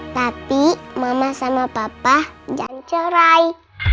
tapi mama sama papa jangan cerai